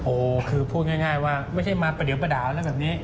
โอ้โหคือพูดง่ายว่าไม่ใช่มาประเดี๋ยวประดาวนะแบบนี้